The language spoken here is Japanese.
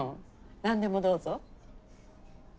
なんでもどうぞ。